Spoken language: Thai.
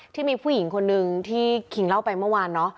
ที่มีผู้หญิงคนนึงที่คิงเล่าไปเมื่อวานเนอะ